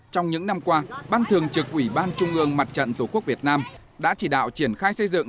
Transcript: trong những năm qua ban thường trực ubnd tqvn đã chỉ đạo triển khai xây dựng